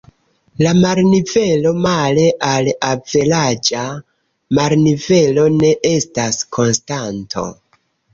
La marnivelo male al averaĝa marnivelo ne estas konstanto.